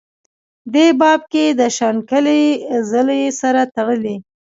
دې باب کې دَشانګلې ضلعې سره تړلي